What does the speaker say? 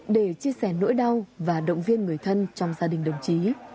để chia sẻ nỗi đau và động viên người thân trong gia đình đồng chí